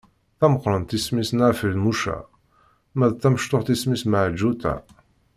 Tameqrant isem-is Nna Feḍmuca, ma d tamecṭuḥt isem-is Meɛǧuṭa.